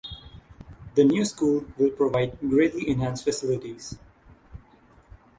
The new school will provide greatly enhanced facilities.